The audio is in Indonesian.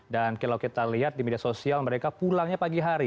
dan kalau kita lihat di media sosial mereka pulangnya pagi hari